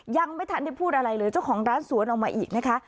ยังไม่ทันได้พูดอะไรเลยเจ้าของร้านสวนออกมาอีกนะคะ